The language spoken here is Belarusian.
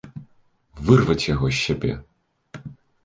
Вырваць яго з сябе.